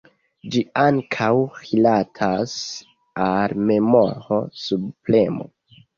Ĝi ankaŭ rilatas al memoro subpremo.